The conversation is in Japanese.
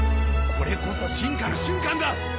これこそ進化の瞬間だ！